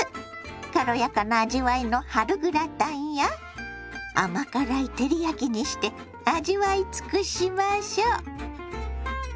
軽やかな味わいの春グラタンや甘辛い照り焼きにして味わい尽くしましょ。